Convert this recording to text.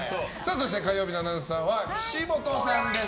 そして火曜日のアナウンサーは岸本さんです。